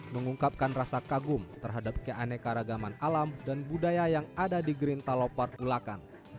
mengungkapkan rasa kagum terhadap keaneka ragaman alam dan budaya yang ada di gerinta talaupar ulakan